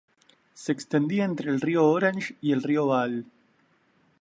Se extendía entre el río Orange y el río Vaal.